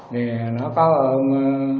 thì nó có ông